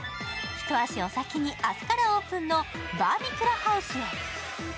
一足お先に明日からオープンのバーミキュラハウスへ。